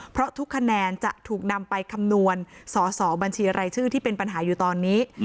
เพราะทุกคะแนนจะถูกนำไปคำนวณสอสอบัญชีรายชื่อที่เป็นปัญหาอยู่ตอนนี้